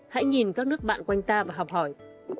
hãy nhìn các nước bạn quanh ta và học hỏi